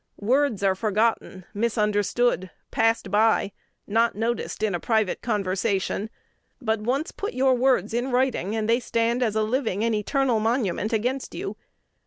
Words are forgotten, misunderstood, passed by, not noticed in a private conversation; but once put your words in writing, and they stand as a living and eternal monument against you.